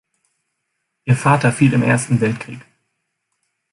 Ihr Vater fiel im Ersten Weltkrieg.